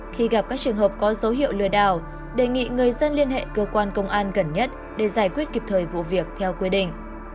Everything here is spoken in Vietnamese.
khi gặp các trường hợp có dấu hiệu lừa đảo đề nghị người dân liên hệ cơ quan công an gần nhất để giải quyết kịp thời vụ việc theo quy định